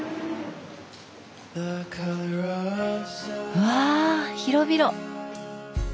うわ広々！